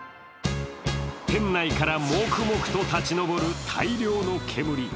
店内からモクモクと立ち上る大量の煙。